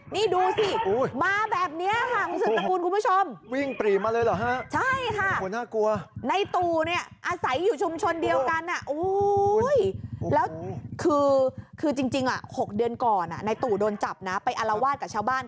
นี่ดูสิมาแบบนี้ค่ะคุณสุดละครคุณผู้ชม